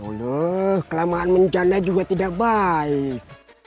aluh kelamaan menjanda juga tidak baik